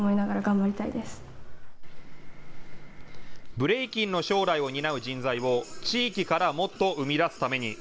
ブレイキンの将来を担う人材を地域からもっと生み出すために。